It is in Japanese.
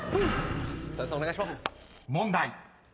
［問題］